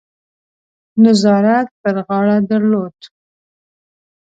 نظارت پر غاړه درلود.